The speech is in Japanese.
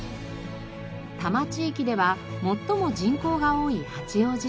多摩地域では最も人口が多い八王子市。